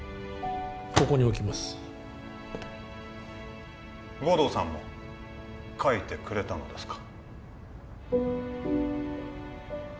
ここに置きます護道さんも書いてくれたのですか？